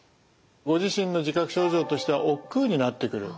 ご自身の自覚症状としてはおっくうになってくる。